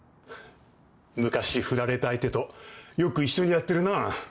昔フラれた相手とよく一緒にやってるな。